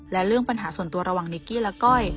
และเรื่องปัญหาส่วนตัวระหว่างนิกกี้และก้อย